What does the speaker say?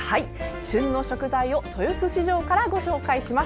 旬の食材を豊洲市場からご紹介します。